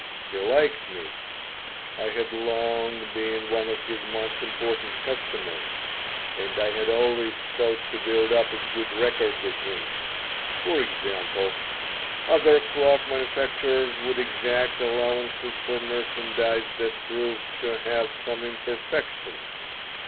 He liked me. I had long been one of his most important customers and I had always sought to build up a good record with him. For example: other cloak manufacturers would exact allowances for merchandise that proved to have some imperfection.